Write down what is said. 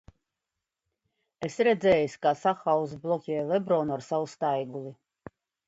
Esi redzējis, kā Stakhauss bloķē Lebronu ar savu staiguli?